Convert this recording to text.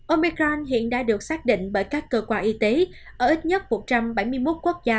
omecron hiện đã được xác định bởi các cơ quan y tế ở ít nhất một trăm bảy mươi một quốc gia